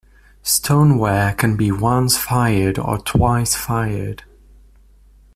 Stoneware can be once-fired or twice-fired.